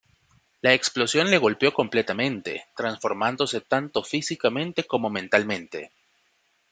La explosión le golpeo completamente, transformándose tanto físicamente como mentalmente.